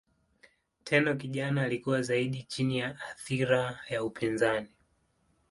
Tenno kijana alikuwa zaidi chini ya athira ya upinzani.